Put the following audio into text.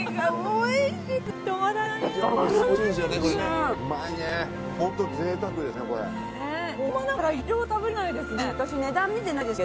おいしいでしょ？